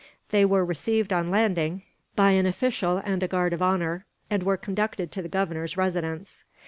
They were received, on landing, by an official and a guard of honour; and were conducted to the Governor's residence.